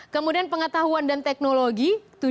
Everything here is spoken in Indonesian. kemudian pengetahuan dan teknologi